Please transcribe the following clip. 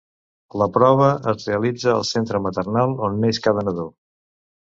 La prova es realitza al centre maternal on neix cada nadó.